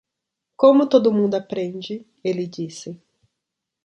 "Como todo mundo aprende?" ele disse.